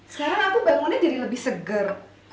sekarang aku bangunnya jadi lebih seger